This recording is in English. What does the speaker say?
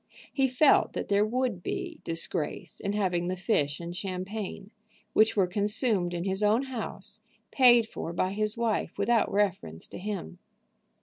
He felt that there would be disgrace in having the fish and champagne, which were consumed in his own house, paid for by his wife without reference to him.